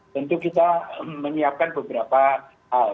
tentu kita menyiapkan beberapa hal